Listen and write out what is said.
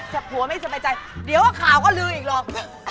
ผัวไม่สบายใจเดี๋ยวข่าวก็ลืออีกหรอก